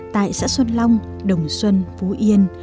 tại xã xuân long đồng xuân phú yên